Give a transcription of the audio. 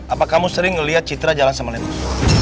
apa kamu sering ngeliat citra jalan sama lemos